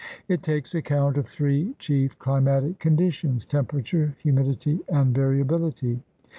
It takes account of three chief climatic conditions — temperature, humidity, and variability.